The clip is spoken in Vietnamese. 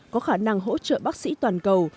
có khả năng hỗ trợ bác sĩ toàn cầu